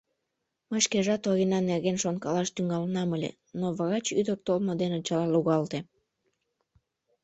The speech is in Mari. Мый шкежат Орина нерген шонкалаш тӱҥалынам ыле, но врач ӱдыр толмо дене чыла лугалте.